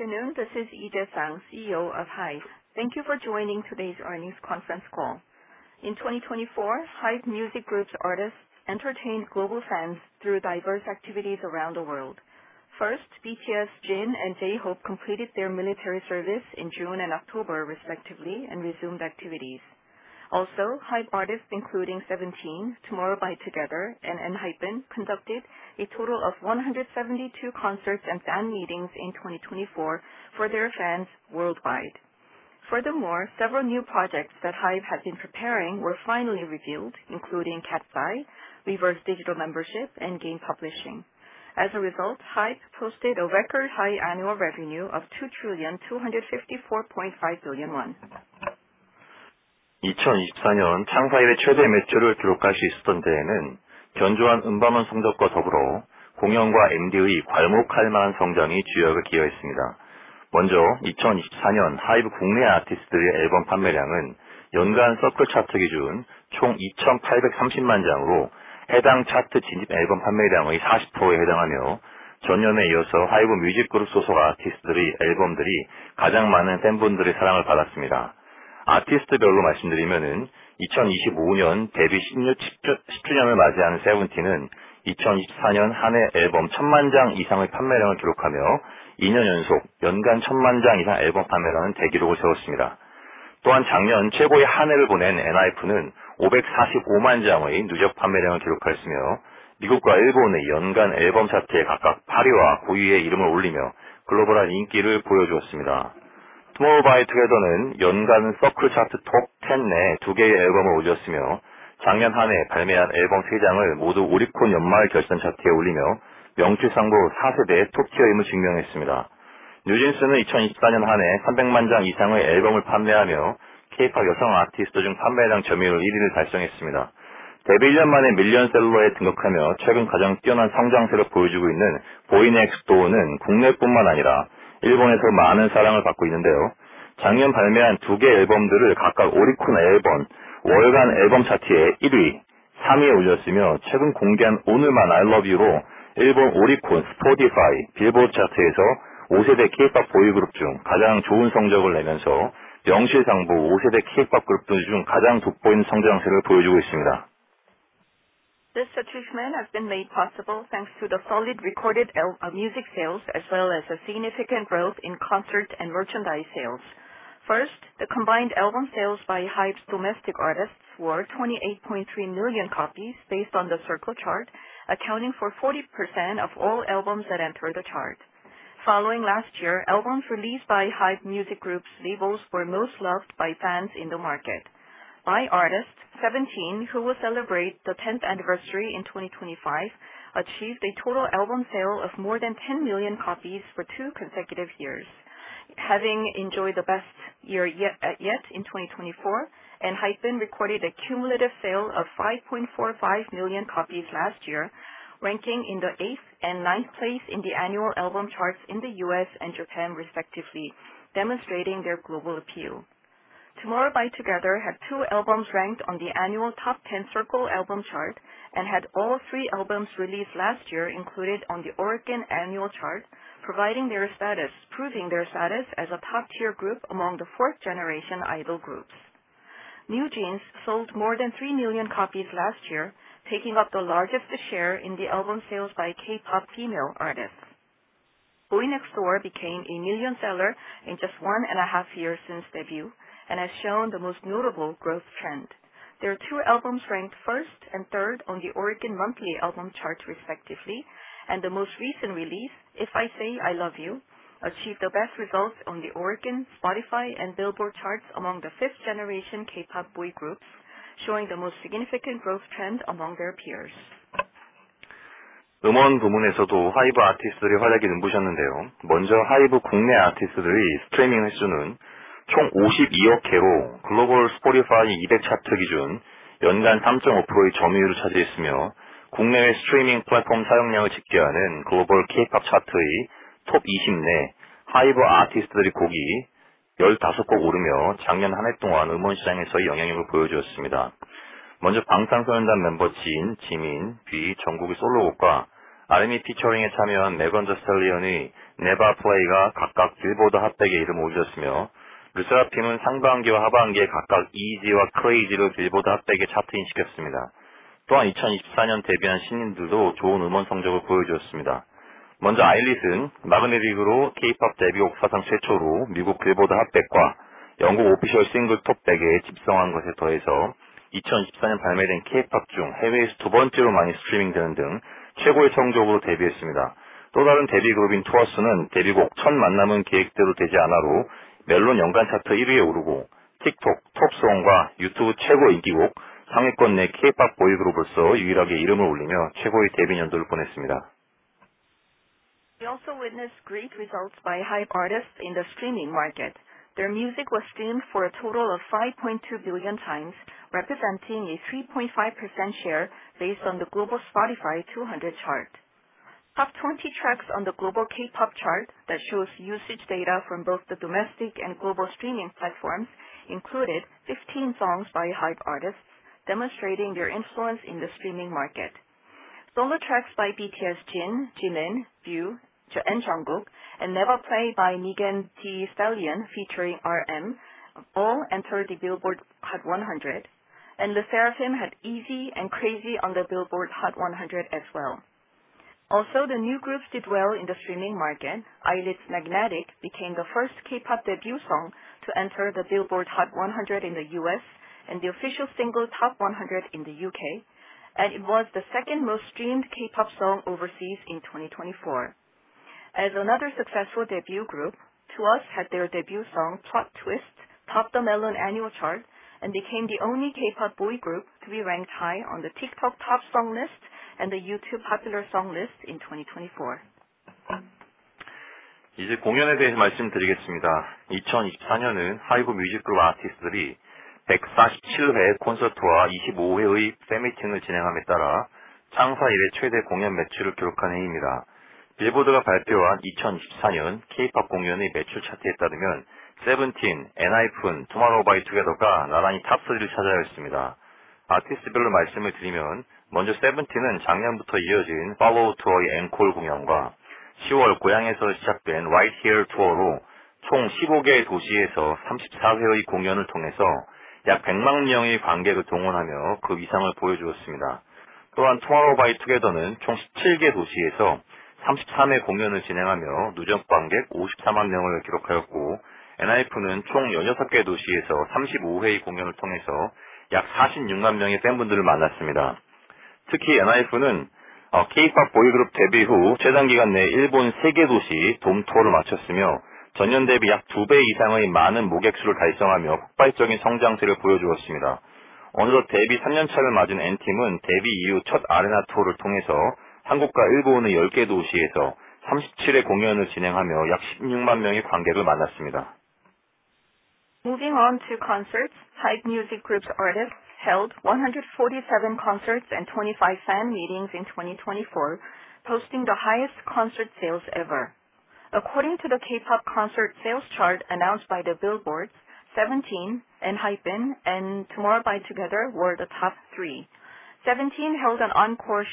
Good afternoon. This is Yije Zhang, CEO of HIVE. Thank you for joining today's earnings conference call. In 2024, HIVE Music Group's artists entertained global fans through diverse activities around the world. First, BTS Jin and J Hope completed their military service in June and October respectively and resumed activities. Also, hype artists including Seventeen, Tomorrow by Together and Enhypen conducted a total of 172 concerts and fan meetings in 2024 for their fans worldwide. Furthermore, several new projects that Hyve has been preparing were finally revealed, including CatSci, Reverse Digital membership and Game Publishing. As a result, Hype posted a record high annual revenue of KRW2254.5 billion. This achievement has been made possible, thanks to the solid recorded music sales as well as a significant growth in concert and merchandise sales. First, the combined album sales by HIVE's domestic artists were 28,300,000 copies based on the circle chart, accounting for 40% of all albums that enter the chart. Following last year, albums released by Hyve Music Group's labels were most loved by fans in the market. My artist, Seventeen, who will celebrate the tenth anniversary in 2025, achieved a total album sale of more than 10,000,000 copies for two consecutive years. Having enjoyed the best year yet in 2024, ENHYPEN recorded a cumulative sale of 5,450,000 copies last year ranking in the eighth and ninth place in the annual album charts in The U. S. And Japan respectively, demonstrating their global appeal. Tomorrow by Together had two albums ranked on the annual top 10 circle album chart and had all three albums released last year included on the Oregon annual chart, providing their status, proving their status as a top tier group among the fourth generation idol groups. NewJeans sold more than 3,000,000 copies last year, taking up the largest share in the album sales by K pop female artists. Going Next Door became a million seller in just one and a half years since debut and has shown the most notable growth trend. There are two albums ranked first and third on the Oregon monthly album chart respectively and the most recent release, If I Say I Love You, achieved the best results on the Oregon, Spotify and Billboard charts among the fifth generation K pop boy groups showing the most significant growth trend among their peers. We also witnessed great results by hype artists in the streaming market. Their music was streamed for a total of 5,200,000,000 times, representing a 3.5% share based on the global Spotify two hundred chart. Top 20 tracks on the global K pop chart that shows usage data from both the domestic and global streaming platforms included 15 songs by Hybe artists demonstrating their influence in the streaming market. Solo tracks by BTS Jin, Jimin, View and Jungkook and Never Play by Megan Thee Stallion featuring RM all entered the Billboard Hot 100 and Le Sarafim had Easy and Crazy on the Billboard Hot 100 as well. Also the new groups did well in the streaming market. IELTS Magnetic became the first K pop debut song to enter the Billboard Hot 100 in The U. S. And the official single Top 100 in The U. K. And it was the second most streamed K pop song overseas in 2024. As another successful debut group, To Us had their debut song Plot Twist topped the Melon annual chart and became the only K pop boy group to be ranked high on the TikTok top song list and the YouTube popular song list in 2024. Moving on to concerts, Thai Music Group's artists held 147 concerts and 25 fan meetings in 2024, posting the highest concert sales ever. According to the K pop concert sales chart announced by the Billboard, Seventeen, Enhypen and TMRO By Together were the top three. 17 held an encore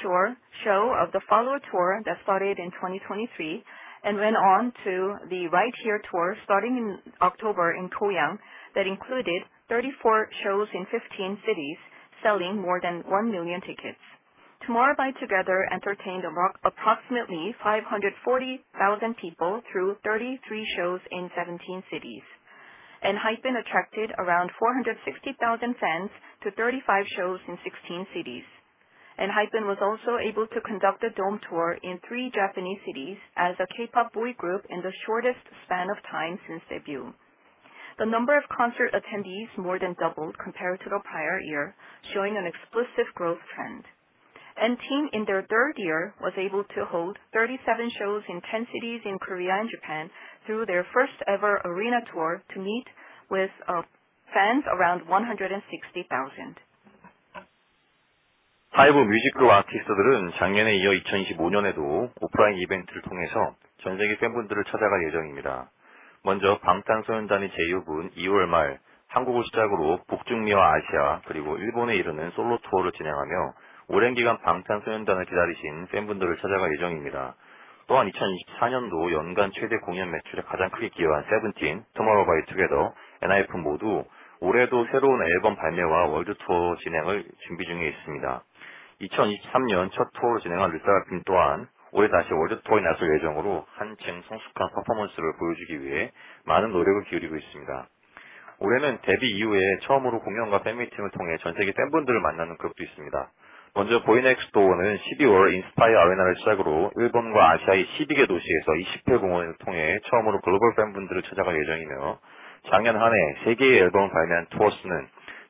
show of the Followed Tour that started in 2023 and went on to the Right Here Tour starting in October in Koyang that included 34 shows in 15 cities selling more than 1,000,000 tickets. Tomorrow by Together entertained approximately 540,000 people through 33 shows in 17 cities. Enhypen attracted around 460,000 fans to 35 shows in 16 cities. Enhypen was also able to conduct a dome tour in three Japanese cities as a K pop boy group in the shortest span of time since debut. The number of concert attendees more than doubled compared to the prior year showing an explicit growth trend. NTEAM in their third year was able to hold 37 shows in 10 cities in Korea and Japan through their first ever arena tour to meet with fans around 160,000. In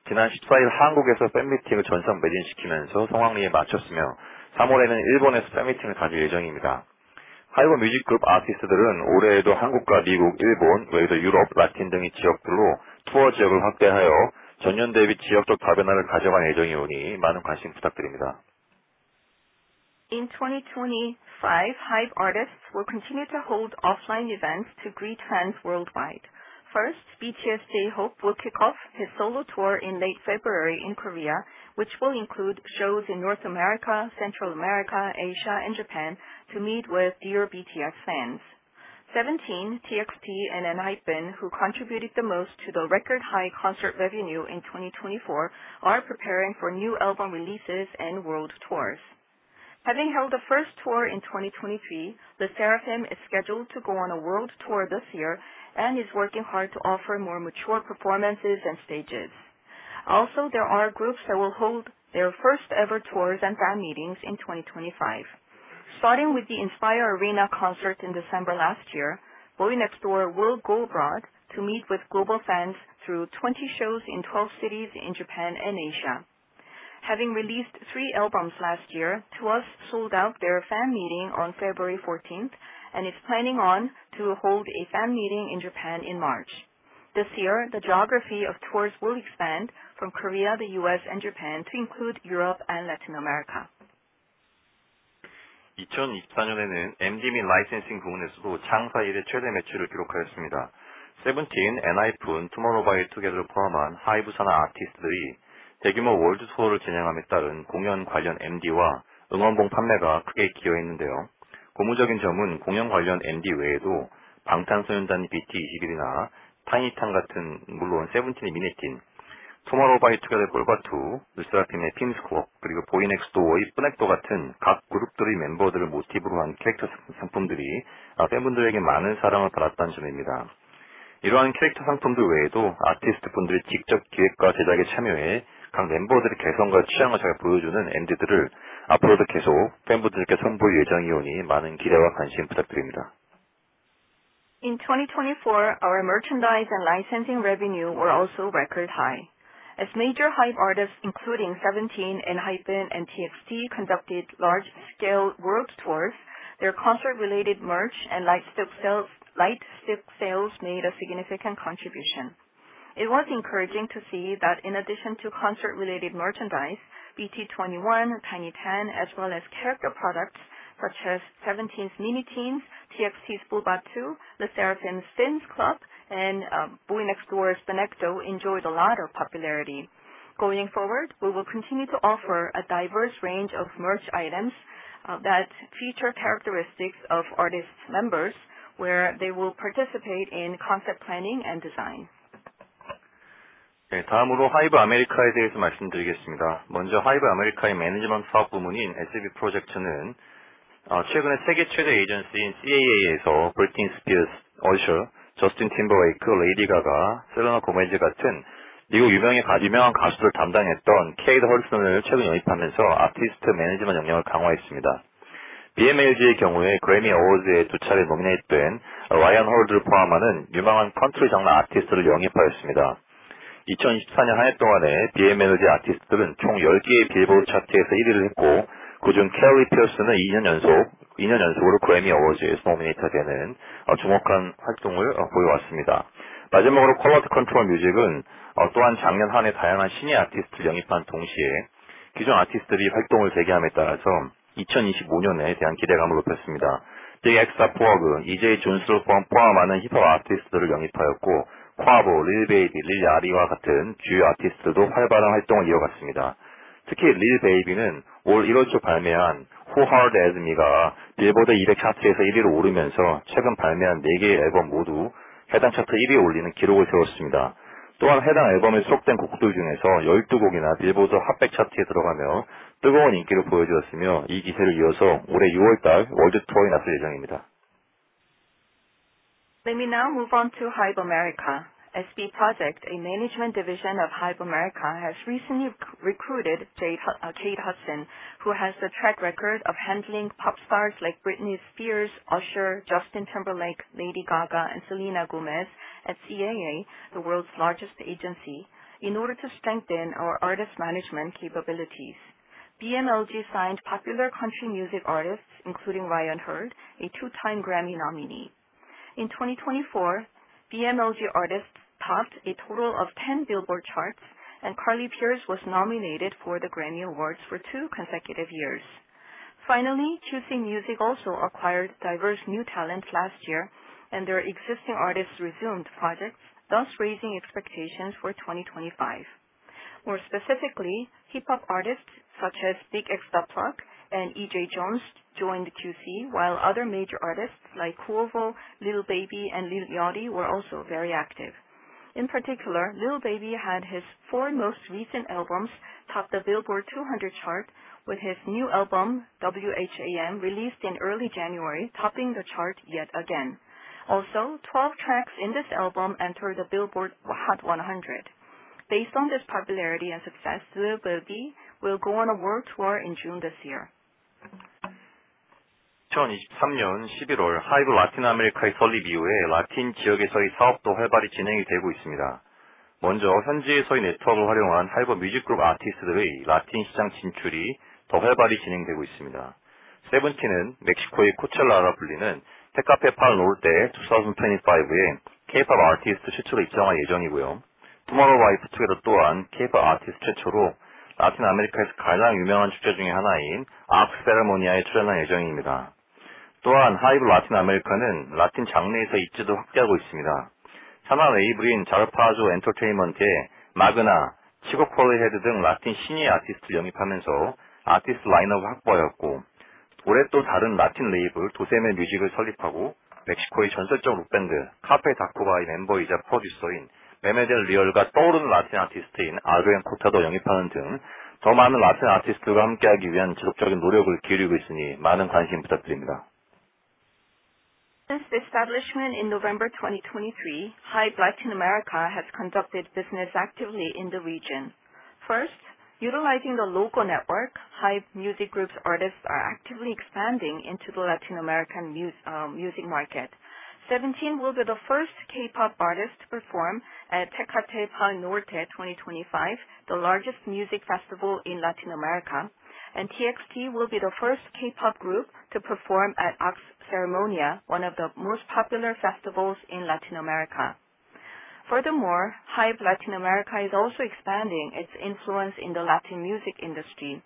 2025, Hyve artists will continue to hold offline events to greet fans worldwide. First, BTS J Hope will kick off his solo tour in late February in Korea, which will include shows in North America, Central America, Asia and Japan to meet with Dear BTS fans. Seventeen, TXT and NHYPEN who contributed the most to the record high concert revenue in 2024 are preparing for new album releases and world tours. Having held the first tour in 2023, Le Sarafim is scheduled to go on a world tour this year and is working hard to offer more mature performances and stages. Also, there are groups that will hold their first ever tours and fan meetings in 2025. Starting with the Inspire Arena concert in December, Bowie Next Door will go abroad to meet with global fans through 20 shows in 12 cities in Japan and Asia. Having released three albums last year, TOOS sold out their fan meeting on February 14 and is planning on to hold a fan meeting in Japan in March. This year, the geography of tours will expand from Korea, The U. S. And Japan to include Europe and Latin America. 17 In 2024, our merchandise and licensing revenue were also record high. As major hype artists including Seventeen, Enhypen and TXT conducted large scale world tours, their concert related merch and light stick sales made a significant contribution. It was encouraging to see that in addition to concert related merchandise, BT21, TinyTan as well as character products such as Seventeen's Mini Teens, TXT's Boobat two, Le Sarafin's Spinz Club and Buen Xtore's Benekto enjoyed a lot of popularity. Going forward, we will continue to offer a diverse range of merch items that feature characteristics of artist members where they will participate in concept planning and design. Let me now move on to HIVE AMERICA. SB PROJECT, a management division of HIVE AMERICA has recently recruited Jade Hudson, who has a track record of handling pop stars like Britney Spears, Usher, Justin Timberlake, Lady Gaga and Selena Gomez at CAA, the world's largest agency, in order to strengthen our artist management capabilities. BMLG signed popular country music artists including Ryan Hurd, a two time Grammy nominee. In 2024, BMLG artists topped a total of 10 Billboard charts and Carly Piers was nominated for the Grammy Awards for two consecutive years. Finally, Choosing Music also acquired diverse new talent last year and their existing artists resumed projects, thus raising expectations for 2025. More specifically, hip hop artists such as Big X. Park and E. J. Jones joined QC, while other major artists like Huovel, Lil Baby and Lil Yachty were also very active. In particular, Lil Baby had his four most recent albums top the Billboard two hundred chart with his new album WHAM released in early January topping the chart yet again. Also 12 tracks in this album enter the Billboard Hot 100. Based on this popularity and success, Zuo Bo Bi will go on a world tour in June. Since the establishment in November 2023, Hybe Latin America has conducted business actively in the region. First, utilizing the local network, Hybe Music Group's artists are actively expanding into the Latin American music market. 17 will be the first K Pop artist to perform at Tecate Par Norte twenty twenty five, the largest music festival in Latin America. And TXT will be the first K Pop group to perform at AUX Ceremonia, one of the most popular festivals in Latin America. Furthermore, Hybe Latin America is also expanding its influence in the Latin music industry.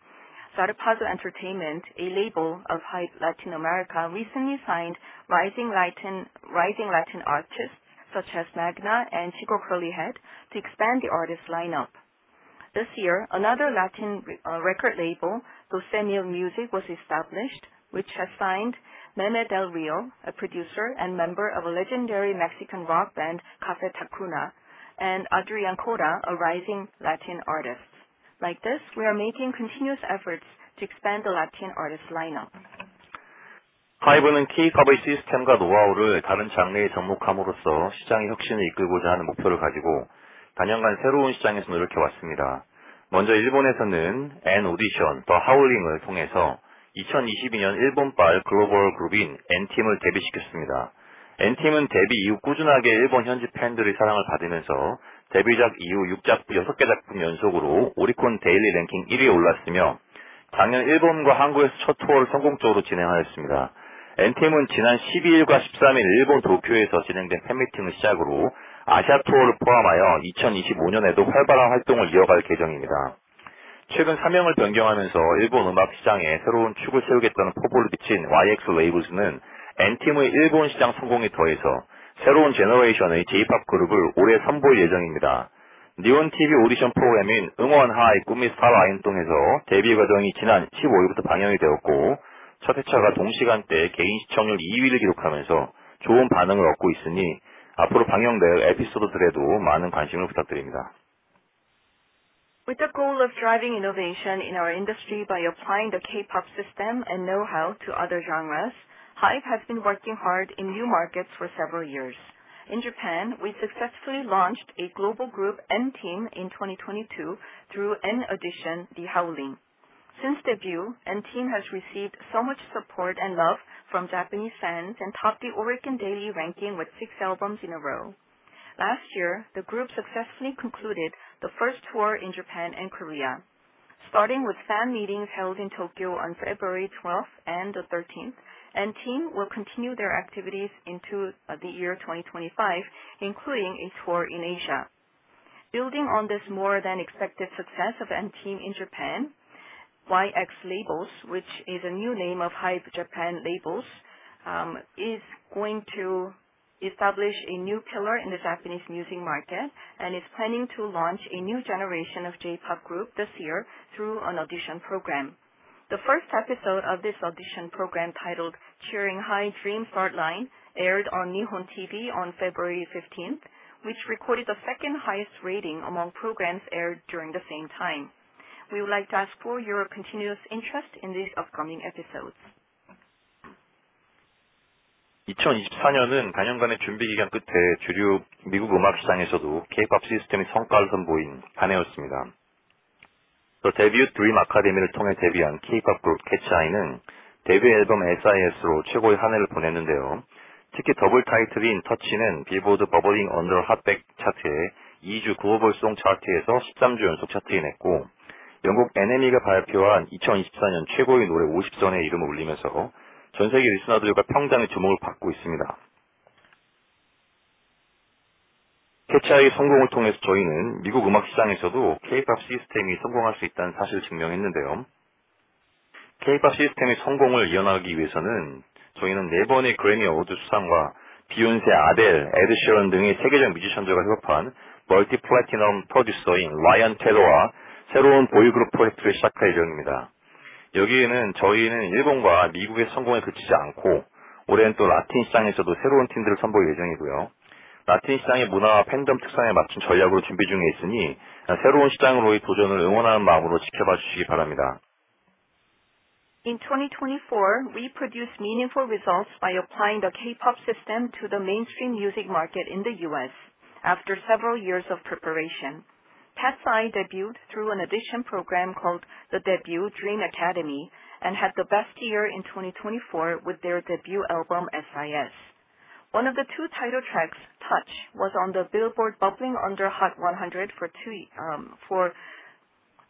Zarepazo Entertainment, a label of Hybe Latin America recently signed rising Latin artists such as Magna and Chico Curlyhead to expand the artist lineup. This year another Latin record label, Los Emil Music was established, which has signed Meme del Rio, a producer and member of legendary Mexican rock band, Cafe Tacuna and Adriancota, a rising Latin artist. Like this, we are making continuous efforts to expand the Latin artist lineup. With the goal of driving innovation in our industry by applying the K pop system and know how to other genres, Hyve has been working hard in new markets for several years. In Japan, we hauling. Since debut, NTEAM has received so much support and love from Japanese fans and topped the Oricon daily ranking with six albums in a row. Last year, the group successfully concluded the first tour in Japan and Korea, starting with fan meetings held in Tokyo on February '13, and team will continue their activities into the year 2025, including a tour in Asia. Building on this more than expected success of NTEAM in Japan, YX Labels, which is a new name of Hybe Japan Labels is going to establish a new pillar in the Japanese music market and is planning to launch a new generation of J pop group this year through an audition program. The first episode of this audition program titled Cheering High Dream Start Line aired on Nihon TV on February 15, which recorded the second highest rating among programs aired during the same time. We would like to ask for your continuous interest in these upcoming episodes. In 2024, we produced meaningful results by applying the K pop system to the mainstream music market in The U. S. After several years of preparation. PetSai debuted through an addition program called the debut Dream Academy and had the best year in 2024 with their debut album SIS. One of the two title tracks Touch was on the Billboard Bubbling Under Hot 100 for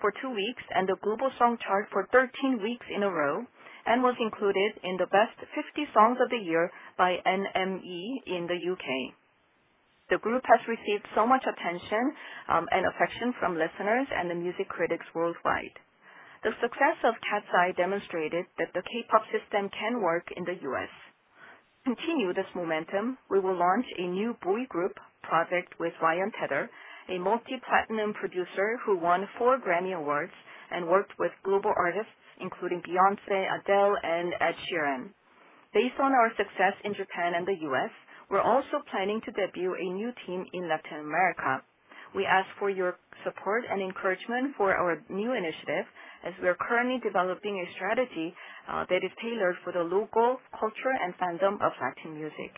two weeks and the Global Song Chart for thirteen weeks in a row and was included in the best 50 songs of the year by NME in The UK. The group has received so much attention and affection from listeners and the music critics worldwide. The success of CatSci demonstrated that the K pop system can work in The U. S. To continue this momentum, we will launch a new Bui Group project with Ryan Tether, a multi platinum producer who won four Grammy Awards and worked with global artists including Beyonce, Adele and Ed Sheeran. Based on our success in Japan and The U. S, we're also planning to debut a new team in Latin America. We ask for your support and encouragement for our new initiative as we are currently developing a strategy that is tailored for the local culture and fandom of Latin music.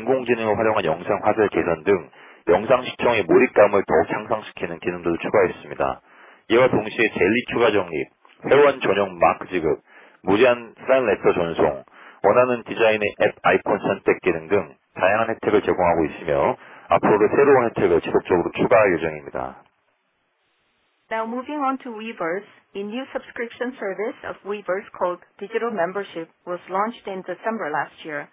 Now moving on to Weverse, a new subscription service of Weverse called Digital Membership was launched in December.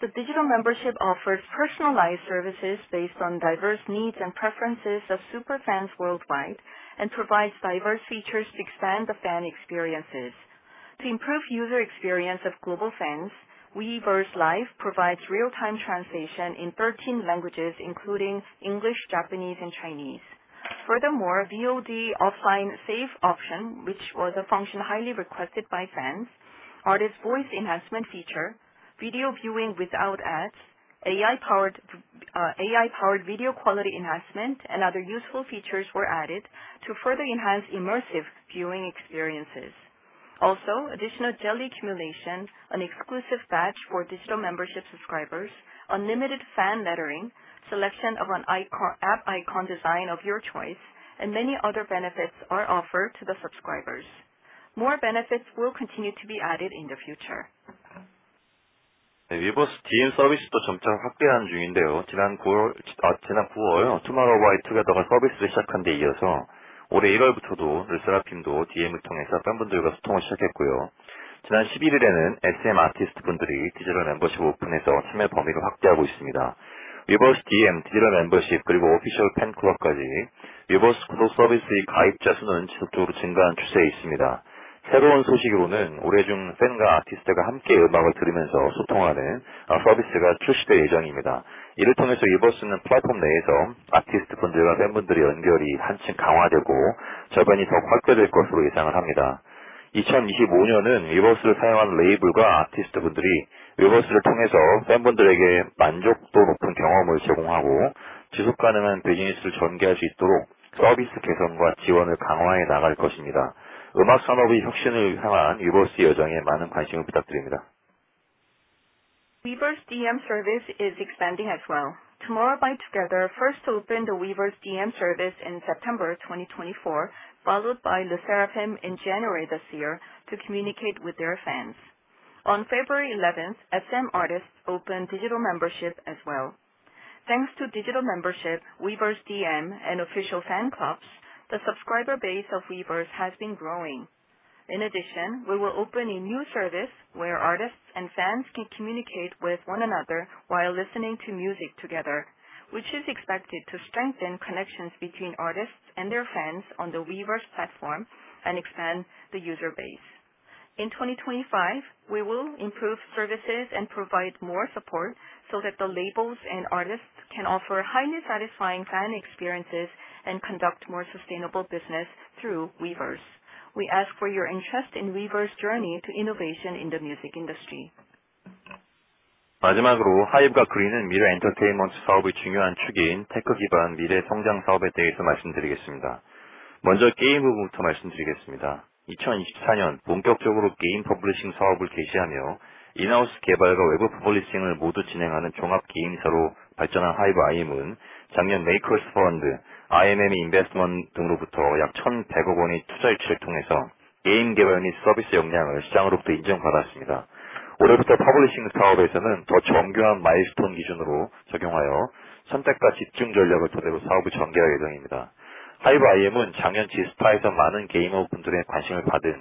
The Digital Membership offers personalized services based on diverse needs and preferences of super fans worldwide and provides diverse features to expand the fan experiences. To improve user experience of global fans, Weverse Live provides real time translation in 13 languages including English, Japanese and Chinese. Furthermore, VOD offline save option, which was a function highly requested by fans, artist voice enhancement feature, video viewing without ads, AI powered video quality enhancement and other useful features were added to further enhance immersive viewing experiences. Also additional Jelly Accumulation, an exclusive batch for digital membership subscribers, unlimited fan lettering, selection of an app icon design of your choice and many other benefits are offered to the subscribers. More benefits will continue to be added in the future. Weverse DM service is expanding as well. Tomorrow by Together first opened the Weverse DM service in September 2024, followed by Le Sarafim in January to communicate with their fans. On February 11, SM artists opened digital membership as well. Thanks to digital membership, Weverse DM and official fan clubs, the subscriber base of Weverse has been growing. In addition, we will open a new service where artists and fans can communicate with one another while listening to music together, which is expected to strengthen connections between artists and their fans on the Weverse platform and expand the user base. In 2025, we will improve services and provide more support so that the labels and artists can offer highly satisfying fan experiences and conduct more sustainable business through Weverse. We ask for your interest in Weverse journey to innovation in the music industry. Finally, I'd like to talk about our technology based future growth businesses, which is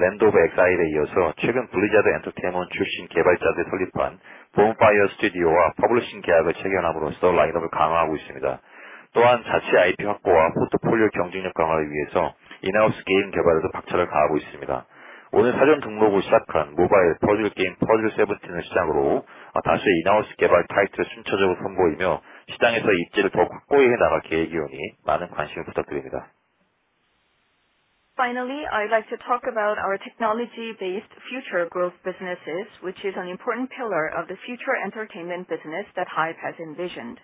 an important pillar of the future entertainment business that HIVE has envisioned.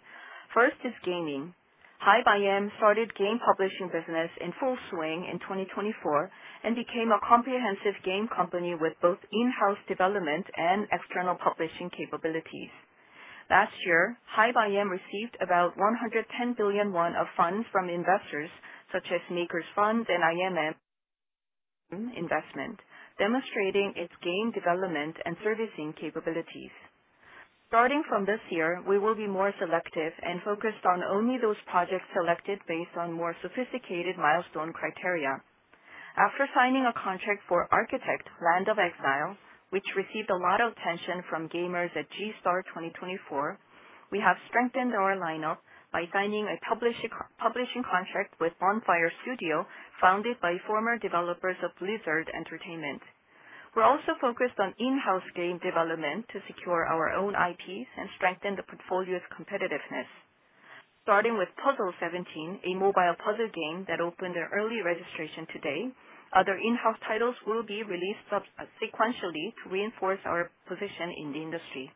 First is gaming. HIVEI M started game publishing business in full swing in 2024 and became a comprehensive game company with both in house development and external publishing capabilities. Last year, HiByM received about 110,000,000,000 won of funds from investors such as Maker's Funds and IMF investment demonstrating its game development and servicing capabilities. Starting from this year, we will be more selective and focused on only those projects selected based on more sophisticated milestone criteria. After signing a contract for Architect: Land of Exile, which received a lot of attention from gamers at G Star twenty twenty four, we have strengthened our lineup by signing a publishing contract with Bonfire Studio, founded by former developers of Blizzard Entertainment. We're also focused on in house game development to secure our own IPs and strengthen the portfolio's competitiveness. Starting with Puzzle 17, a mobile puzzle game that opened at early registration today. Other in house titles will be released sequentially to reinforce our position in the industry.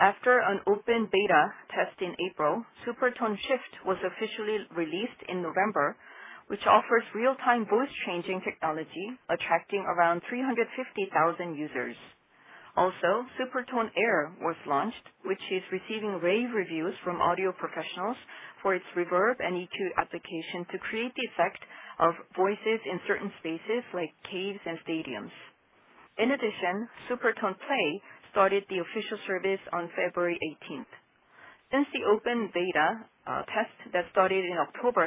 After an open beta test in April, Supertone Shift was officially released in November, which offers real time voice changing technology attracting around 350,000 users. Also Super Tone Air was launched, which is receiving rave reviews from audio professionals for its Reverb and EQ application to create the effect of voices in certain spaces like caves and stadiums. In addition, Super Tone Play started the official service on February 18. Since the open beta test that started in October,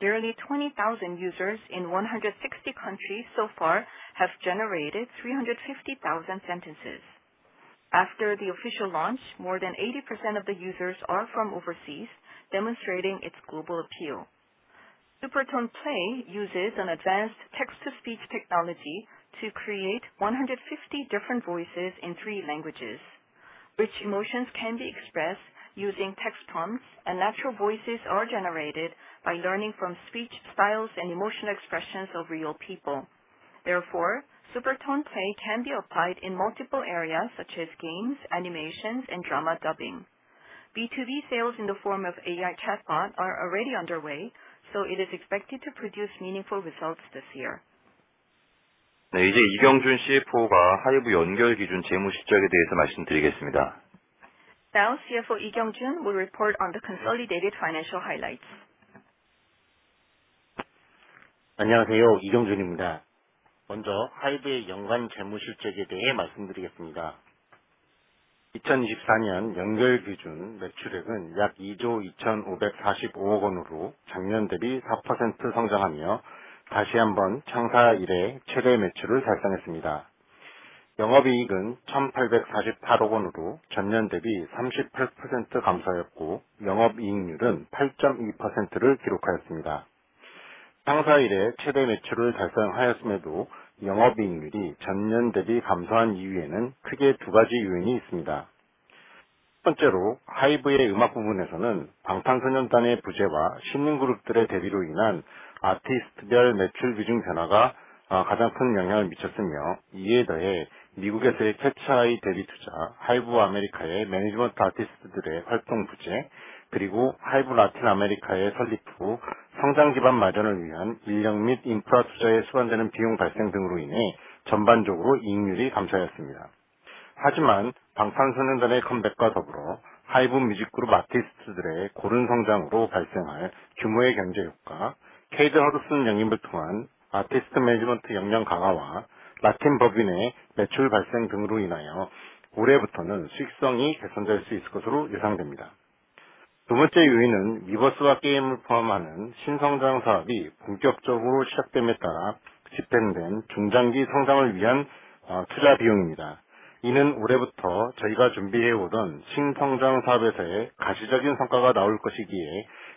barely 20,000 users in 160 countries so far have generated 350,000 sentences. After the official launch, more than 80% of the users are from overseas demonstrating its global appeal. Super Tone Play uses an advanced text to speech technology to create 150 different voices in three languages, which emotions can be expressed using text tones and natural voices are generated by learning from speech styles and emotional expressions of real people. Therefore, Super Tone Play can be applied in multiple areas such as games, animations and drama dubbing. B2B sales in the form of AI cat bot are already underway, so it is expected to produce meaningful results this year. Dow, CFO, Yi Kyeong Jun, will report on the consolidated financial highlights.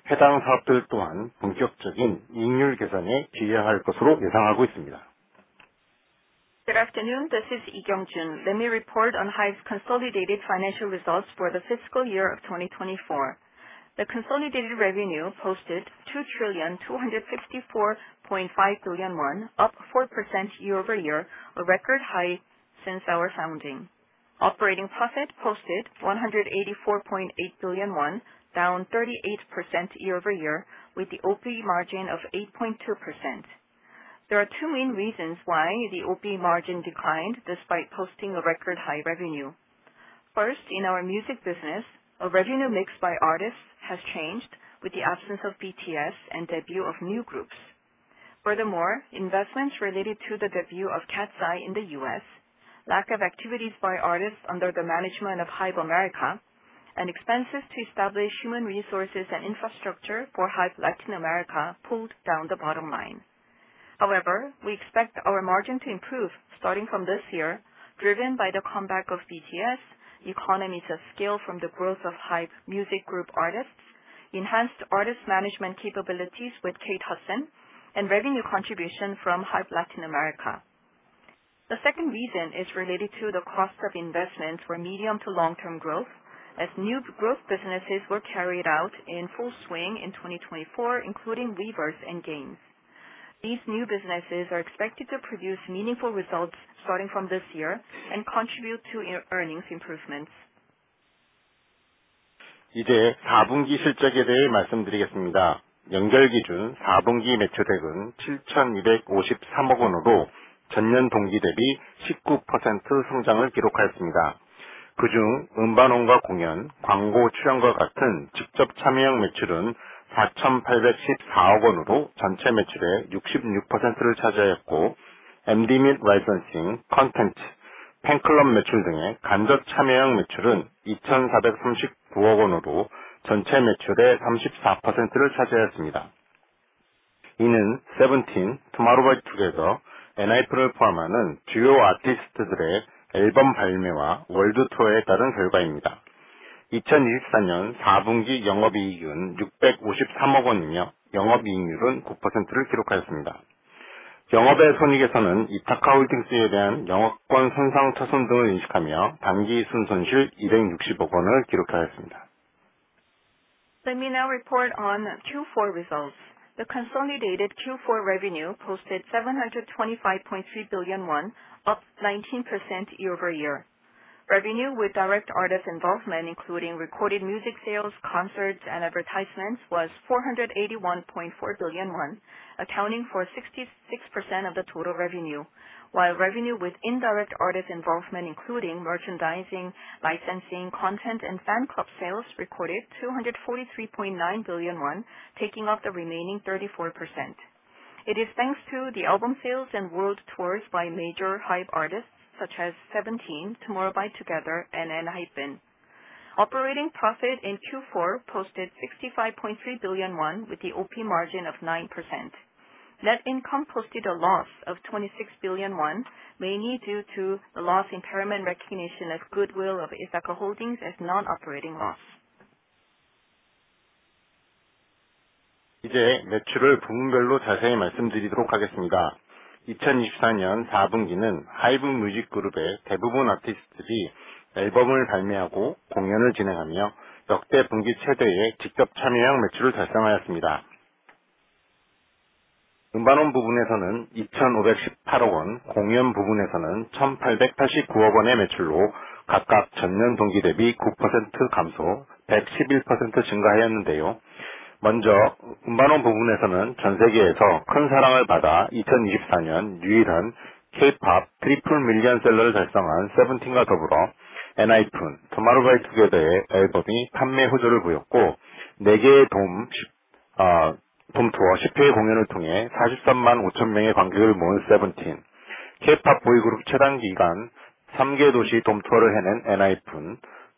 Good afternoon. This is Yi Kyung Jun. Let me report on Hyve's consolidated financial results for the fiscal year of 2024. The consolidated revenue posted 2,254,500,000,000.0 won, up 4% year over year, a record high since our founding. Operating profit posted 184,800,000,000.0 won, down 38% year over year with the OPE margin of 8.2%. There are two main reasons why the OPE margin declined despite posting a record high revenue. First, in our music business, our revenue mix by artists has changed with the absence of BTS and debut of new groups. Furthermore, investments related to the debut of Cat's Eye in The U. S, lack of activities by artists under the management of Hybe America and expenses to establish human resources and infrastructure for Hype Latin America pulled down the bottom line. However, we expect our margin to improve starting from this year, driven by the comeback of BTS, economies of scale from the growth of Hype Music Group artists, enhanced artist management capabilities with Kate Hudson and revenue contribution from Hype Latin America. The second reason is related to the cost of investments for medium to long term growth as new growth businesses were carried out in full swing in 2024, including reverse and gains. These new businesses are expected to produce meaningful results starting from this year and contribute to earnings improvements. Let me now report on Q4 results. The consolidated Q4 revenue posted KRW 725,300,000,000.0, up 19% year over year. Revenue with direct artist involvement including recorded music sales, concerts and advertisements was 481,400,000,000.0 won accounting for 66% of the total revenue, while revenue with indirect artist involvement including merchandising, licensing, content and fan club sales recorded 243.9 billion won taking off the remaining 34%. It is thanks to the album sales and world tours by major HIVE artists such as Seventeen, Tomorrow by 2gether and NHYPEN. Operating profit in Q4 posted 65.3 billion won with the OP margin of 9%. Net income posted a loss of 26 billion won mainly due to the loss impairment recognition of goodwill of Issaca Holdings as non operating loss.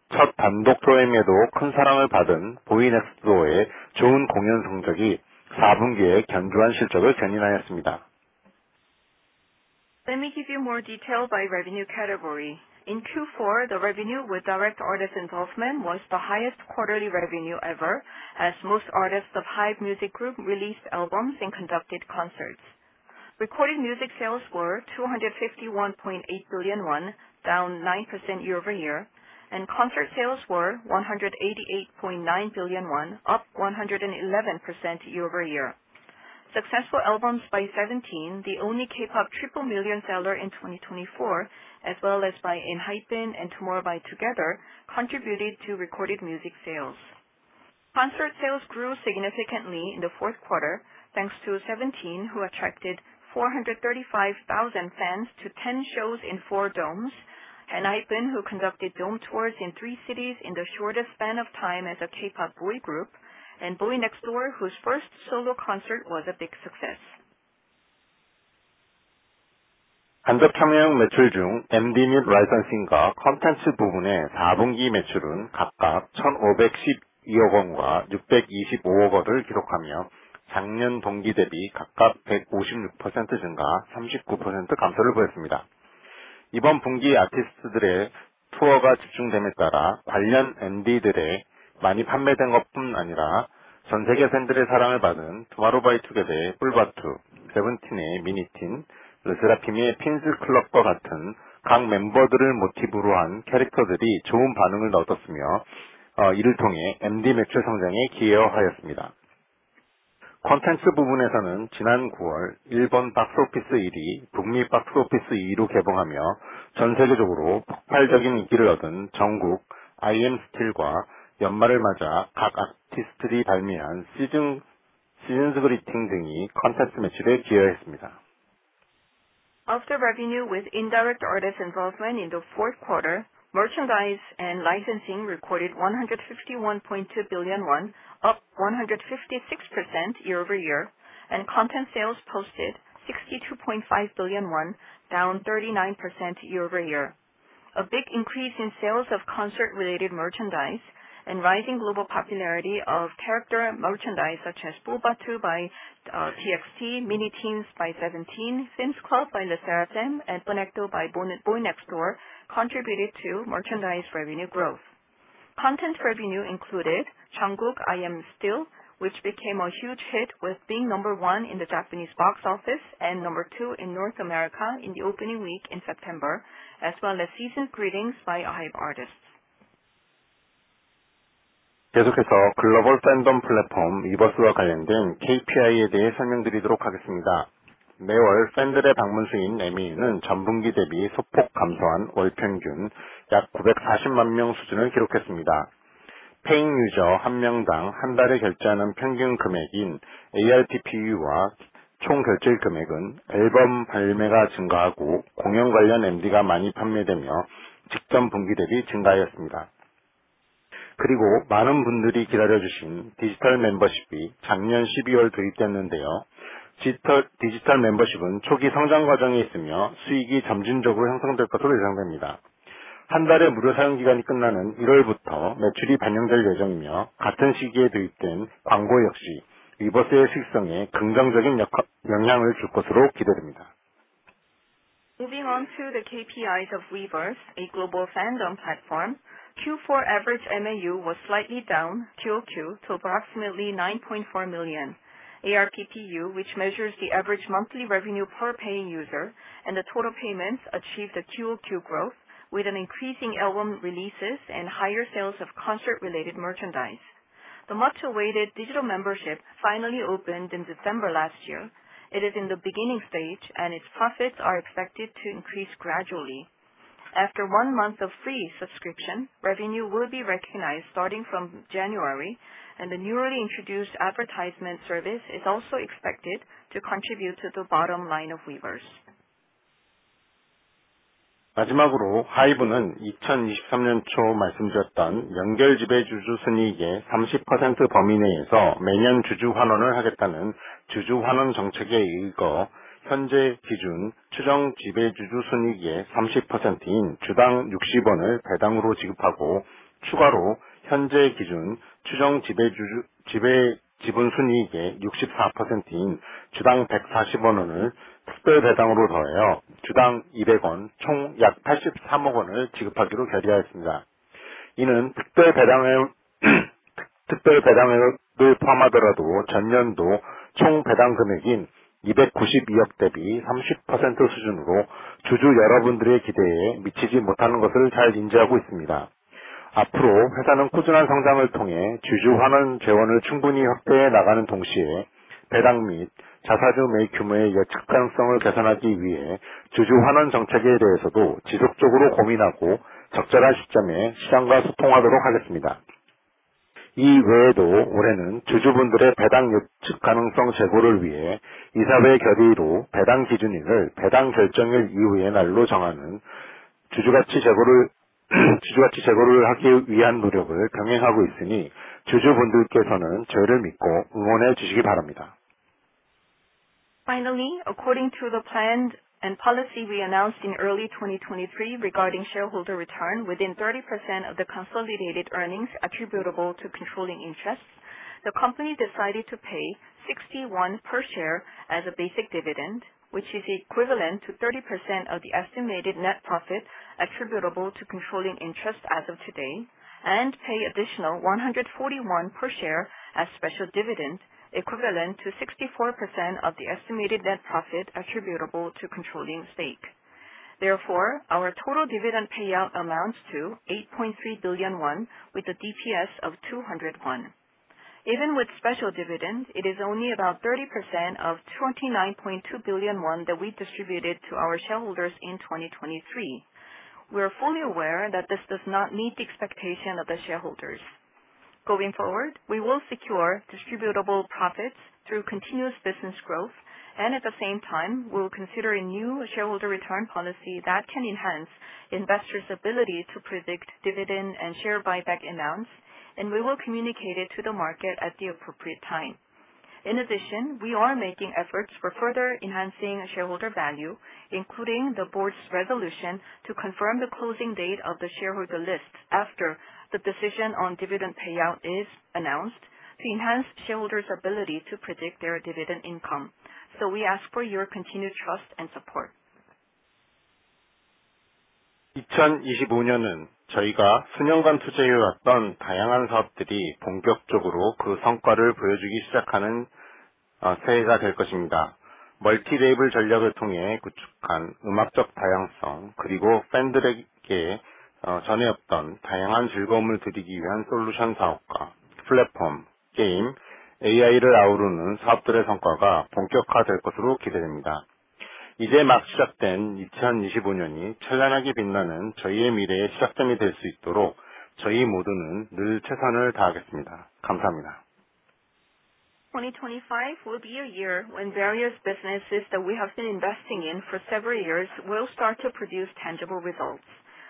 Let me give you more detail by revenue category. In Q4, the revenue with direct artist involvement was the highest quarterly revenue ever as most artists of Hyve Music Group released albums and conducted concerts. Recorded music sales were 251.8 billion won, down 9% year over year and concert sales were 188.9 billion won, up 111% year over year. Successful albums by 'seventeen, the only K pop triple million seller in 2024, as well as by ENHYPEN and TOMORROW BY 2gether contributed to recorded music sales. Concert sales grew significantly in the fourth quarter, thanks to Seventeen who attracted 435,000 fans to 10 shows in four domes, Henhye Bin who conducted dome tours in three cities in the shortest span of time as a K pop boy group and boy next door whose first solo concert was a big success. After revenue with indirect artist involvement in the fourth quarter, merchandise and licensing recorded 151,200,000,000.0 won, up 156% year over year and content sales posted 62,500,000,000.0 won, down 39% year over year. A big increase in sales of concert related merchandise and rising global popularity of character merchandise such as Bo Batuu by TXT, Mini Teens by Seventeen, Sims Club by Le Saratam and Panekto by Boy Next Door contributed to merchandise revenue growth. Content revenue included Changguk I'm Still, which became a huge hit with being number one in the Japanese box office and number two in North America in the opening week in September, as well as season greetings by Ahive artists. Moving on to the KPIs of Weverse, a global fandom platform. Q4 average MAU was slightly down QoQ to approximately 9,400,000 ARPPU, which measures the average monthly revenue per paying user and the total payments achieved at Q o Q growth with an increasing album releases and higher sales of concert related merchandise. The much awaited digital membership finally opened in December. It is in the beginning stage and its profits are expected to increase gradually. After one month of free subscription, revenue will be recognized starting from January and the newly introduced advertisement service is also expected to contribute to the bottom line of Weverse. Finally, according to the plan and policy we announced in early twenty twenty three regarding shareholder return within 30% of the consolidated earnings attributable to controlling interests, the company decided to pay 61 per share as a basic dividend, which is equivalent to 30% of the estimated net profit attributable to controlling interest as of today and pay additional 141 per share as special dividend equivalent to 64% of the estimated net profit attributable to controlling stake. Therefore, our total dividend payout amounts to 8,300,000,000.0 won with a DPS of KRW $2.00 1. Even with special dividend, it is only about 30% of 29,200,000,000.0 won that we distributed to our shareholders in 2023. We are fully aware that this does not meet the expectation of the shareholders. Going forward, we will secure distributable profits through continuous business growth and at the same time, we will consider a new shareholder return policy that can enhance investors' ability to predict dividend and share buyback amounts and we will communicate it to the market at the appropriate time. In addition, we are making efforts for further enhancing shareholder value including the Board's resolution to confirm the closing date of the shareholder list after the decision on dividend payout is announced to enhance shareholders' ability to predict their dividend income. So we ask for your continued trust and support.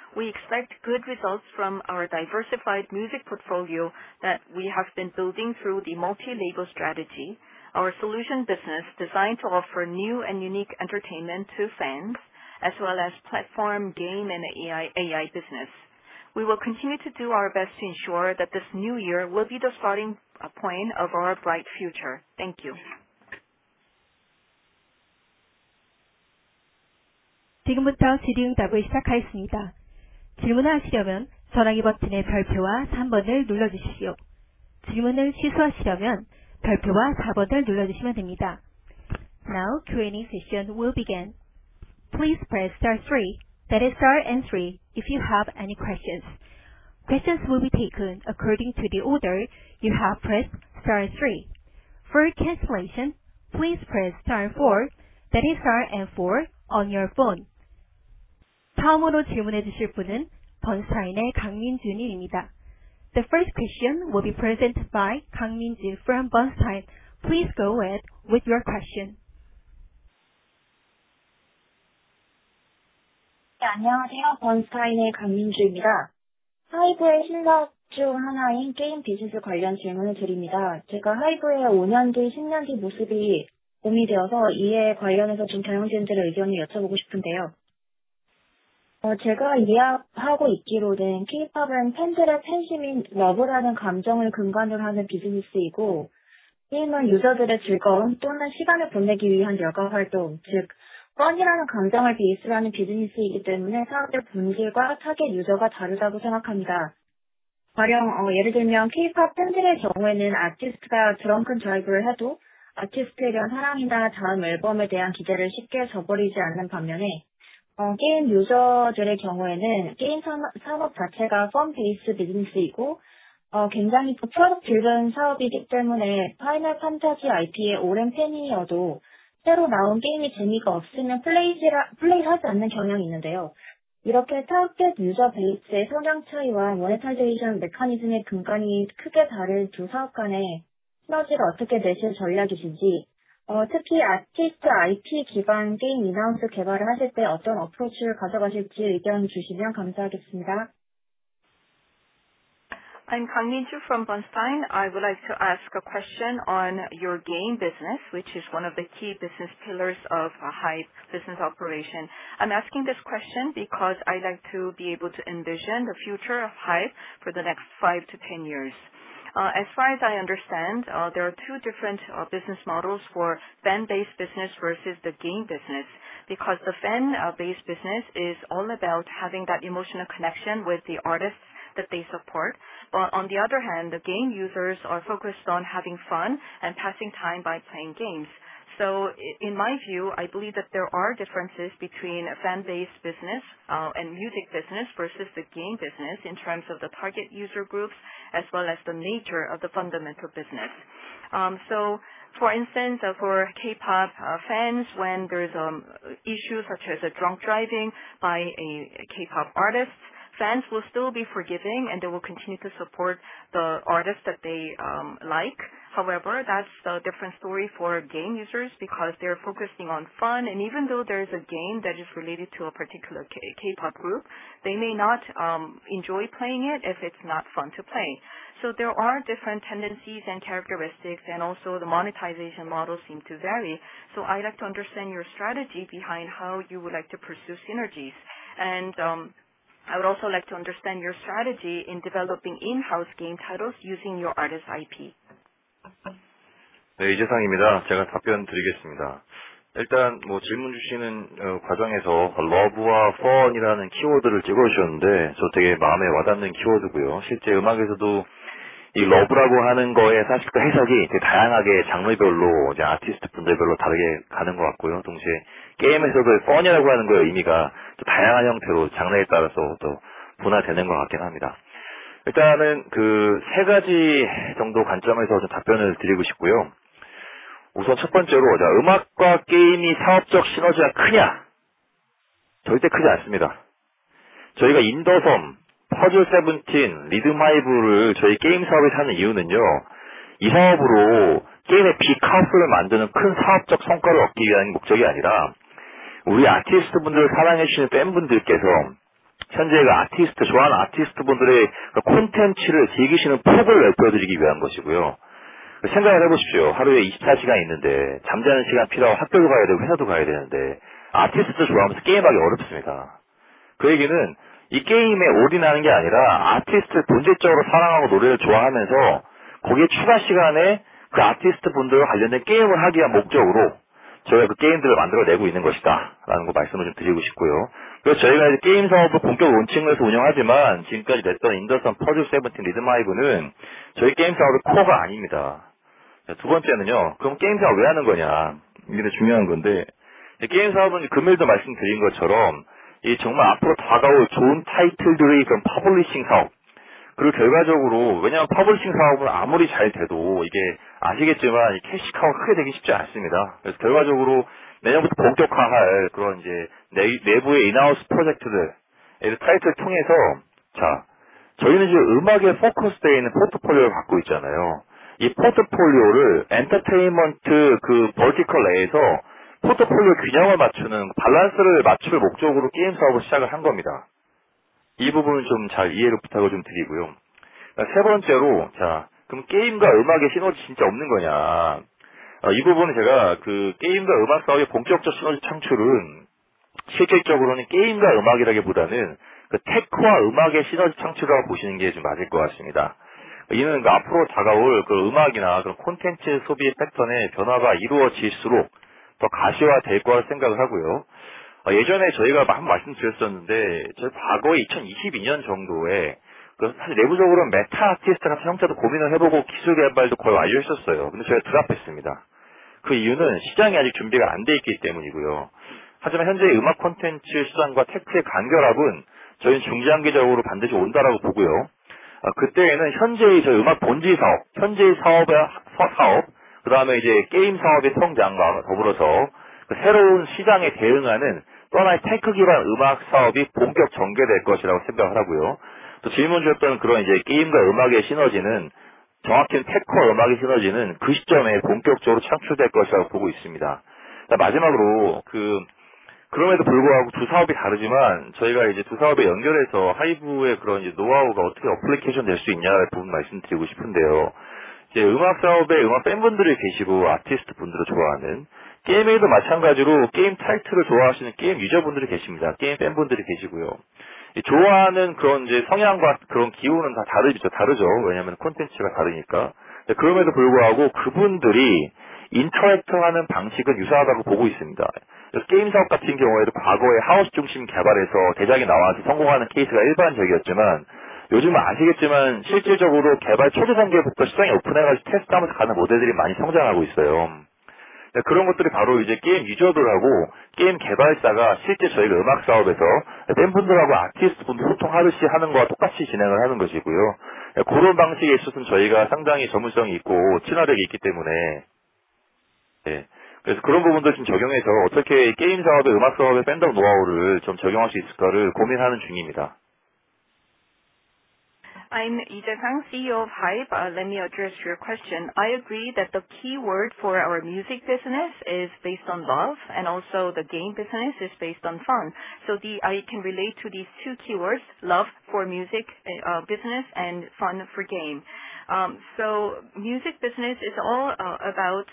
2025 will be a year when various businesses that we have been investing in for several years will start to produce tangible results. We expect good results from our diversified music portfolio that we have been building through the multi label strategy, our solution business designed to offer new and unique entertainment to fans, as well as platform, game and AI business. We will continue to do our best to ensure that this new year will be the starting point of our bright future. Thank you. The first question will be presented by Kangminzhi from Bernstein. Please go ahead with your question. I'm Kang Niju from Bernstein. I would like to ask a question on your game business, which is one of the key business pillars of Hybe's business operation. I'm asking this question because I'd like to be able to envision the future of Hybe for the next five to ten years. As far as I understand, there are two different business models for fan based business versus the game business, because the fan based business is all about having that emotional connection with the artists that they support. But on the other hand, the game users are focused on having fun and passing time by playing games. So in my view, I believe that there are differences between fan based business and music business versus the game business in terms of the target user groups as well as the nature of the fundamental business. So for instance, for K Pop fans when there is issues such as a drunk driving by a K pop artist, fans will still be forgiving and they will continue to support the artists that they like. However, that's a different story for game users because they're focusing on fun. And even though there is a game that is related to a particular K pop group, they may not enjoy playing it if it's not fun to play. So there are different tendencies and characteristics and also the monetization model seem to vary. So I'd like to understand your strategy behind how you would like to pursue synergies. And I would also like to understand your strategy in developing in house game titles using your artist IP. I'm Yije Kang, CEO of Hybe. Let me address your question. I agree that the keyword for our music business is based on love and also the game business is based on fun. So I can relate to these two keywords, love for music business and fun for game. So music business is all about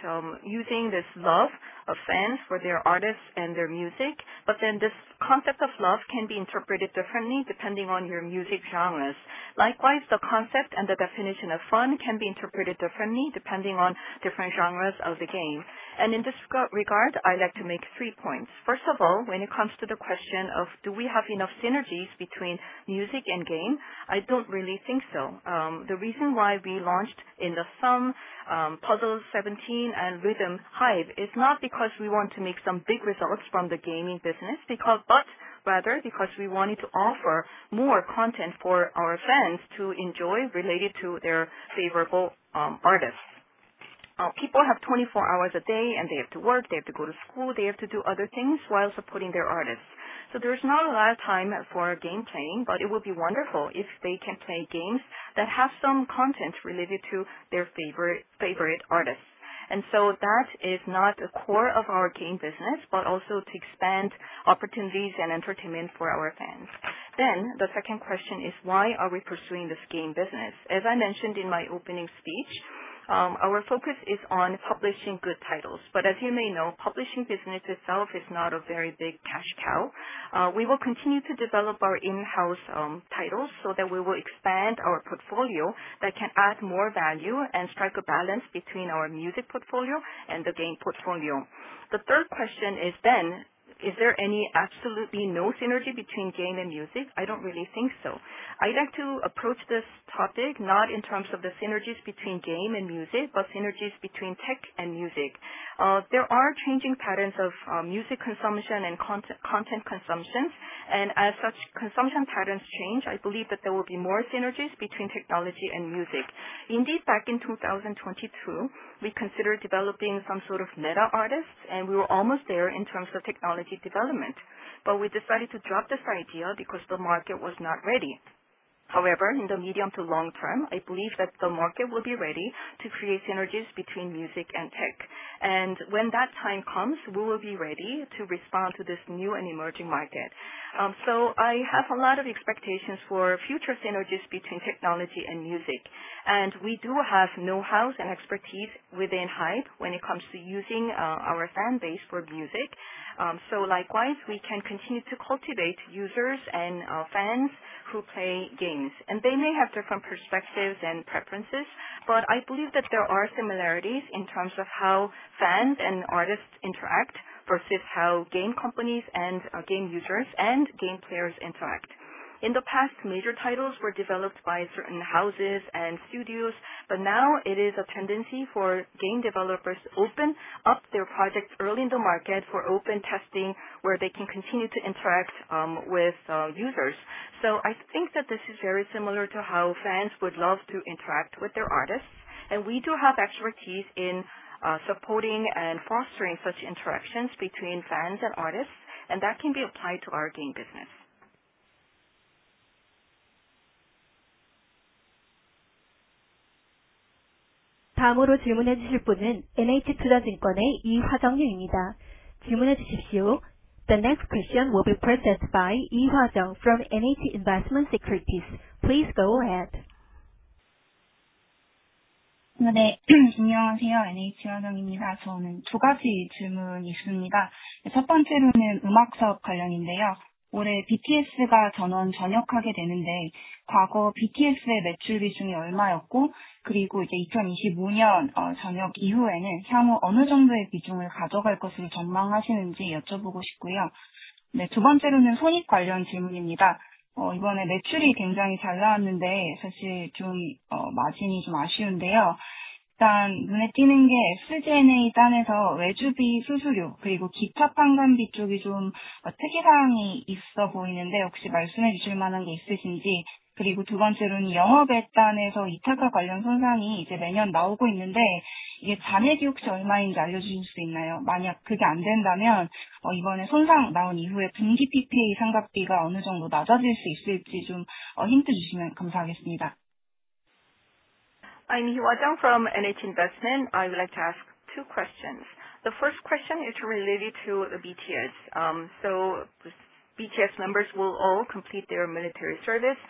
using this love of fans for their artists and their music. But then this concept of love can be interpreted differently depending on your music genres. Likewise, the concept and the definition of fun can be interpreted differently depending on different genres of the game. And in this regard, I'd like to make three points. First of all, when it comes to the question of Sum, Puzzles 17 and Rhythm Hive is not because we want to make some big results from the gaming business because but rather because we wanted to offer more content for our fans to enjoy related to their favorable artists. People have twenty four hours a day and they have to work, they have to go to school, they have to do other things while supporting their artists. So there is not a lot of time for game playing, but it will be wonderful if they can play games that have some content related to their favorite artists. And so that is not a core of our game business, but also to expand opportunities and entertainment for our fans? Then the second question is why are we pursuing this game business? As I mentioned in my opening speech, our focus is on publishing good titles. But as you may know, publishing business itself is not a very big cash cow. We will continue to develop our in house titles so that we will expand our portfolio that can add more value and strike a balance between our music portfolio and the game portfolio. The third question is then is there any absolutely no synergy between game and music? I don't really think so. I'd like to approach this topic not in terms of the synergies between game and music but synergies between tech and music. There are changing patterns of music consumption and content consumption. And as such consumption patterns change, I believe that there will be more synergies between technology and music. Indeed back in 2022, we considered developing some sort of meta artist and we were almost there in terms of technology development. But we decided to drop this idea because the market was not ready. However, in the medium to long term, I believe that the market will be ready to create synergies between music and tech. And when that time comes, we will be ready to respond to this new and emerging market. So I have a lot of expectations for future synergies between technology and music. And we do have know hows and expertise within Hybe when it comes to using our fan base for music. So likewise, we can continue to cultivate users and fans who play games. And they may have different perspectives and preferences, but I believe that there are similarities in terms of how fans and artists interact versus how game companies and game users and game players interact. In the past, major titles were developed by certain houses and studios, but now it is a tendency for game developers to open up their projects early in the market for open testing where they can continue to interact with users. So I think that this is very similar to how fans would love to interact with their artists. And we do have expertise in supporting and fostering such interactions between fans and artists and that can be applied to our game business. The next question will be processed by Yi Hwa Zhang from NHT Investment Securities. Please go ahead. I'm Yi Huazhang from NH Investment. I would like to ask two questions. The first question is related to the BTS. So BTS members will all complete their military service.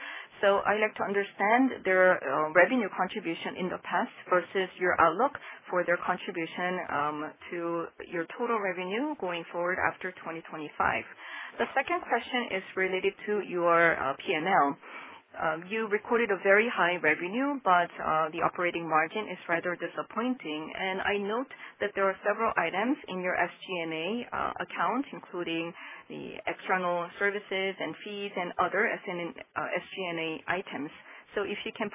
So I'd like to understand their revenue contribution in the past versus your outlook for their contribution to your total revenue going forward after 2025? The second question is related to your P and L. You recorded a very high revenue, but the operating margin is rather disappointing. And I note that there are several items in your SG and A account including the external services and fees and other SG and A items. So if you can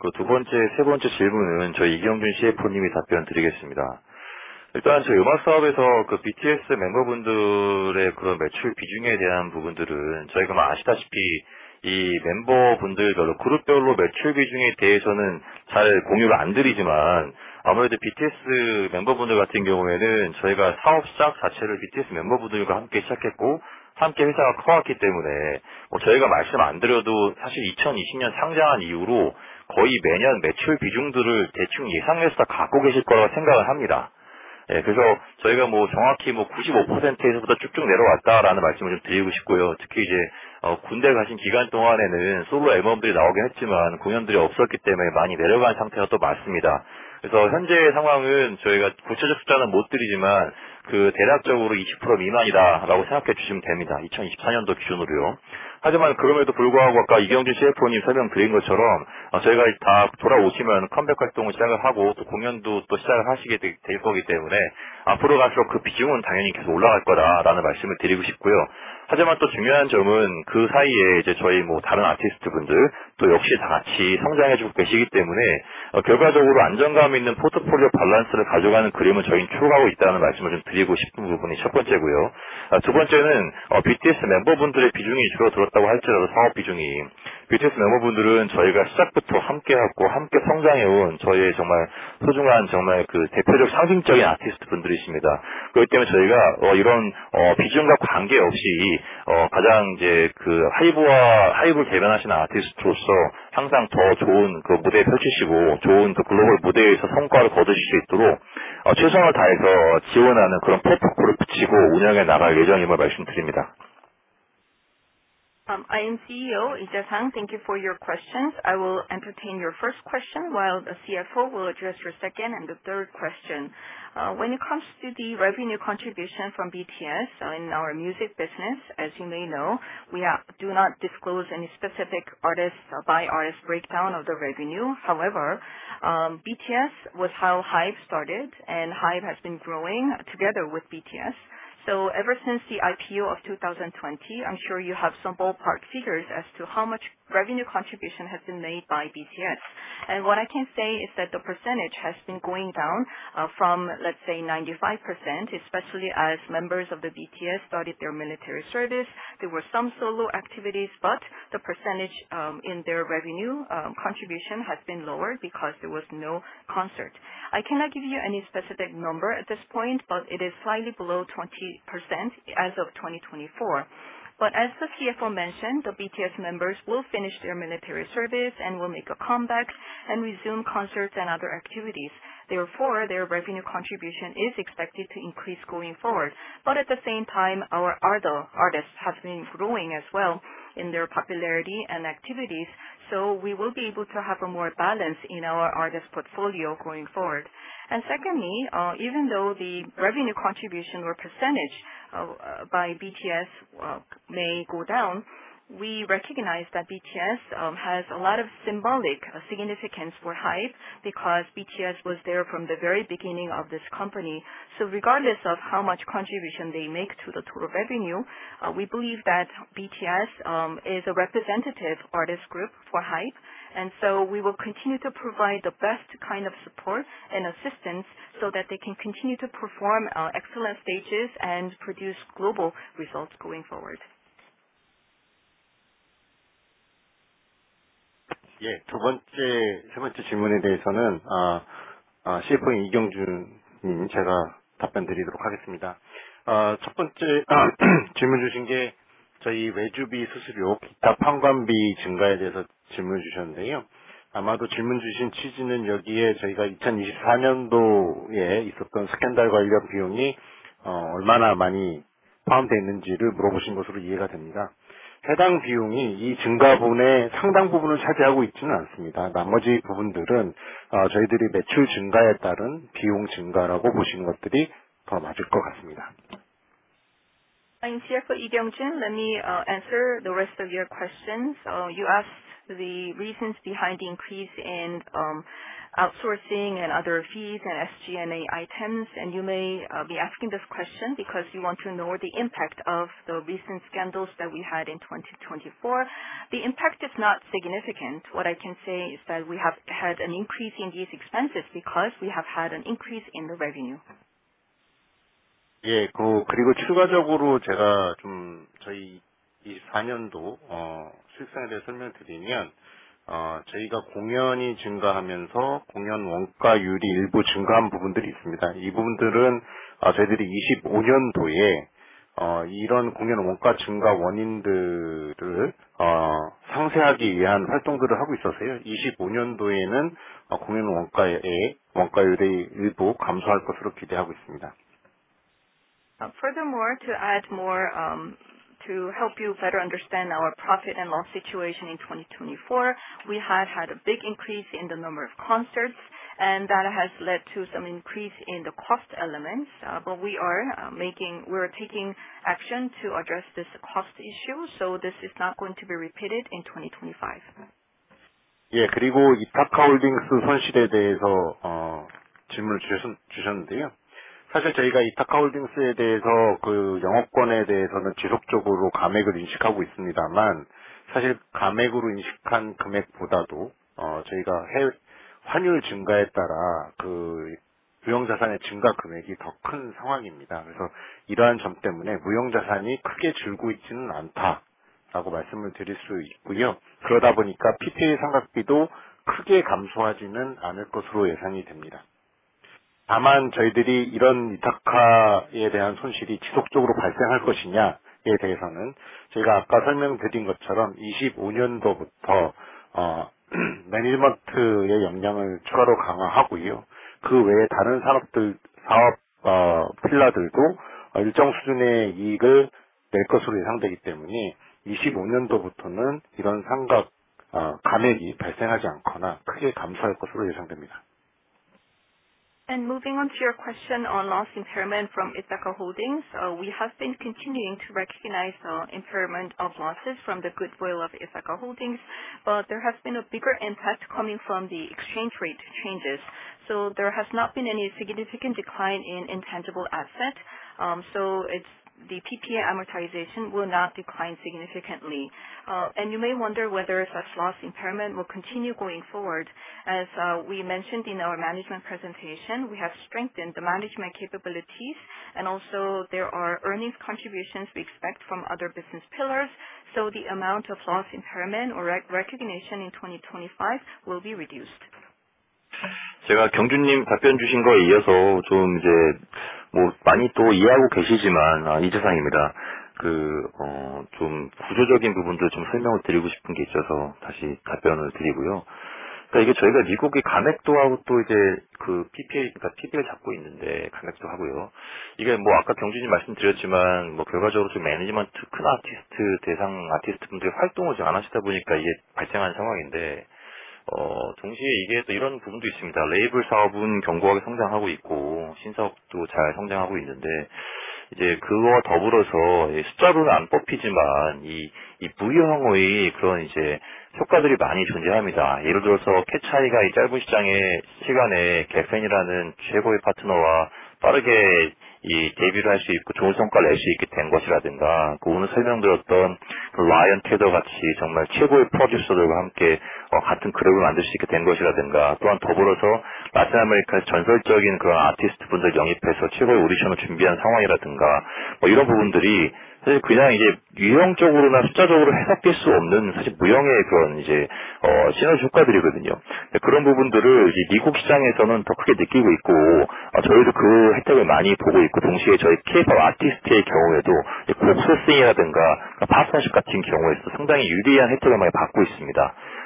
provide more details on these items, it will be great. And I understand that there is a continuous loss impairment recognition from Issaca Holdings stake. I'd like to understand how much is left as part of your non operating loss. And if you cannot provide that answer, it would be nice if you can give us some numbers in terms of amortization losses that we can anticipate on a quarterly basis. I'm CEO, Lee Jae sang, thank you for your questions. I will entertain your first question while the CFO will address your second and the third question. When it comes to the revenue contribution from BTS in our music business, as you may know, we do not disclose any specific artists or by artist breakdown of the revenue. However, BTS was how Hyve started and Hyve has been growing together with BTS. So ever since the IPO of 2020, I'm sure you have some ballpark figures as to how much revenue contribution has been made by BTS. And what I can say is that the percentage has been going down from let's say 95% especially as members of the BTS started their military service. There were some solo activities, but the percentage in their revenue contribution has been lower because there was no concert. I cannot give you any specific number at this point, but it is slightly below 20% as of 2024. But as the CFO mentioned, the BTS members will finish their military service and will make a comeback and resume concerts and other activities. Therefore, their revenue contribution is expected to increase going forward. But at the same time, our other artists have been growing as well in their popularity and activities. So we will be able to have a more balance in our artist portfolio going forward. And secondly, even though the revenue contribution or percentage by BTS may go down, we recognize that BTS has a lot of symbolic significance for Hybe because BTS was there from the very beginning of this company. So regardless of how much contribution they make to the total revenue, we believe that BTS is a representative artist group for Hype. And so we will continue to provide the best kind of support and assistance so that they can continue to perform our excellent stages and produce global results going forward. Let me answer the rest of your questions. You asked the reasons behind the increase in outsourcing and other fees and SG and A items. And you may be asking this question because you want to know the impact of the recent scandals that we had in 2024. The impact is not significant. What I can say is that we have had an increase in these expenses because we have had an increase in the revenue. Furthermore, to add more to help you better understand our profit and loss situation in 2024, we had had a big increase in the number of concerts and that has led to some increase in the cost elements. But we are making we are taking action to address this cost issue. So this is not going to be repeated in 2025. And moving on to your question on loss impairment from Itaka Holdings. We have been continuing to recognize the impairment of losses from the goodwill of Itaka Holdings. But there has been a bigger impact coming from the exchange rate changes. So there has not been any significant decline in intangible asset. So the PPA amortization will not decline significantly. And you may wonder whether such loss impairment will continue going forward. As we mentioned in our management presentation, we have strengthened the management capabilities and also there are earnings contributions we expect from other business pillars. So the amount of loss impairment or recognition in 2025 will be reduced.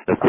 And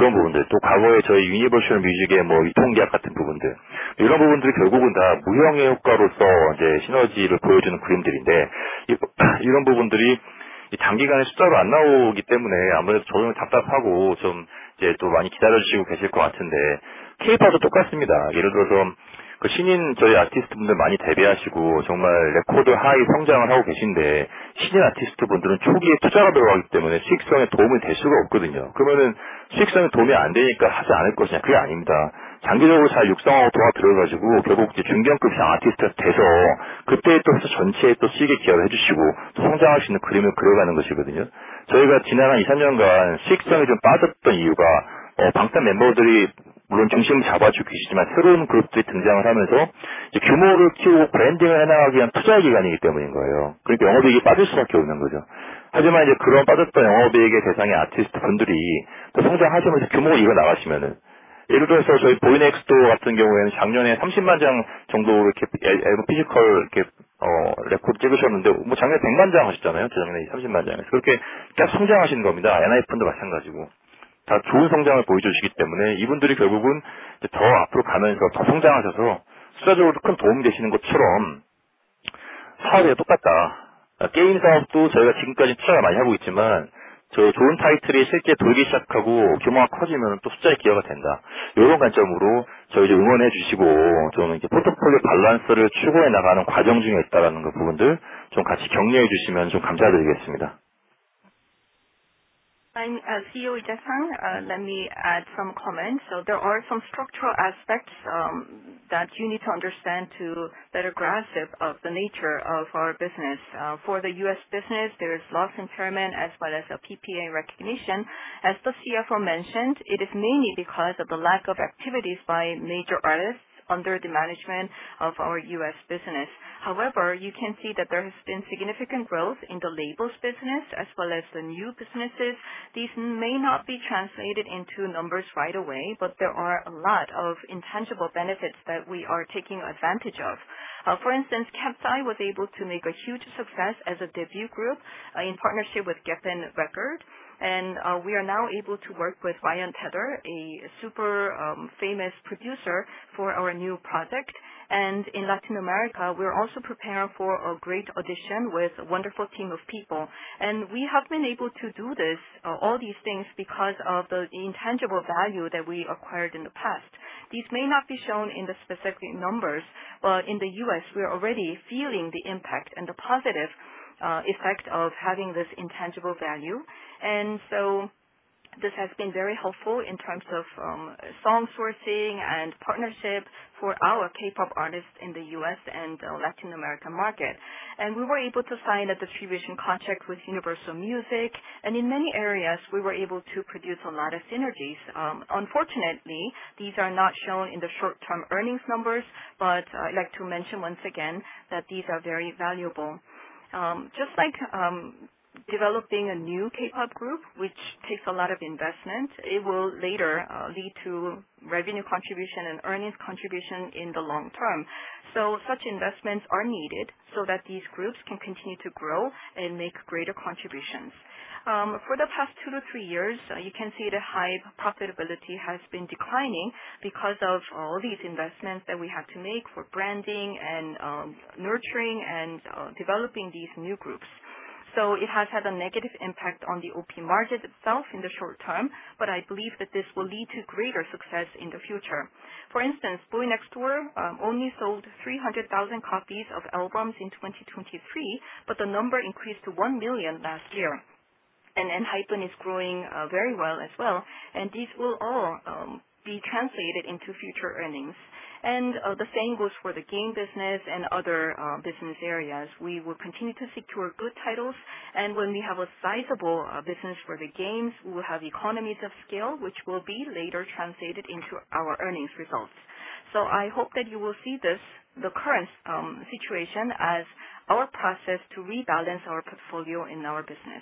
CEO, Jiaxang, let me add some comments. So there are some structural aspects that you need to understand to better grasp of the nature of our business. For The U. S. Business, there is loss impairment as well as a PPA recognition. As the CFO mentioned, it is mainly because of the lack of activities by major artists under the management of our U. S. Business. However, you can see that there has been significant growth in the labels business as well as the new businesses. These may not be translated into numbers right away, but there are a lot of intangible benefits that we are taking advantage of. For instance, Kapsai was able to make a huge success as a debut group in partnership with Geppin Record. And we are now able to work with Ryan Tether, a super famous producer for our new project. And in Latin America, we're also preparing for a great audition with a wonderful team of people. And we have been able to do this all these things because of the intangible value that we acquired in the past. These may not be shown in the specific numbers, but in The U. S. We're already feeling the impact and the positive effect of having this intangible value. And so this has been very helpful in terms of song sourcing and partnership for our K pop artists in The U. S. And Latin American market. And we were able to sign a distribution contract with Universal Music and in many areas we were able to produce a lot of synergies. Unfortunately these are not shown in the short term earnings numbers but I'd like to mention once again that these are very valuable. Just like developing a new K pop group which takes a lot of investment, it will later lead to revenue contribution and earnings contribution in the long term. So such investments are needed so that these groups can continue to grow and make greater contributions. For the past two to three years, you can see the high profitability has been declining because of all these investments that we have to make for branding and nurturing and developing these new groups. So it has had a negative impact on the OP market itself in the short term, but I believe that this will lead to greater success in the future. For instance, Bluenxtor only sold 300,000 copies of albums in 2023, but the number increased to 1,000,000 last year. And Enhypen is growing very well as well. And these will all be translated into future earnings. And the same goes for the game business and other business areas. We will continue to secure good titles. And when we have a sizable business for the games, we will have economies of scale which will be later translated into our earnings results. So I hope that you will see this the current situation as our process to rebalance our portfolio in our business.